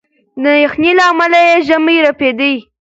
د یخنۍ له امله یې ژامې رپېدې.